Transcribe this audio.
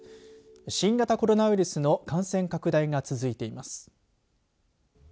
新型コロナウイルスの感染拡大が続いています。